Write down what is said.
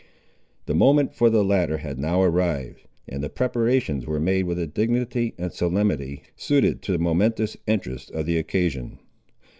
The moment for the latter had now arrived, and the preparations were made with a dignity and solemnity suited to the momentous interests of the occasion.